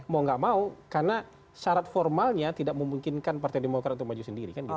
mau nggak mau karena syarat formalnya tidak memungkinkan partai demokrat untuk maju sendiri kan gitu